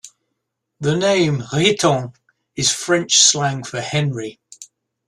The name "Riton" is French slang for "Henry".